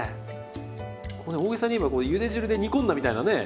これ大げさに言えばゆで汁で煮込んだみたいなね